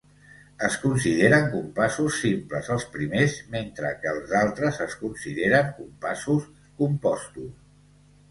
Es consideren compassos simples els primers, mentre que els altres es consideren compassos compostos.